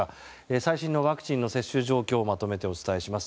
最新のワクチンの接種状況をまとめてお伝えします。